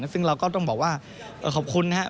ซึ่งเราก็ต้องบอกว่าขอบคุณนะครับ